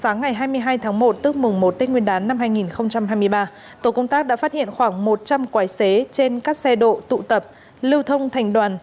sáng ngày hai mươi hai tháng một tức mùng một tết nguyên đán năm hai nghìn hai mươi ba tổ công tác đã phát hiện khoảng một trăm linh quái xế trên các xe độ tụ tập lưu thông thành đoàn